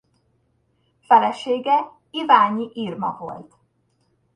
Felesége Iványi Irma volt.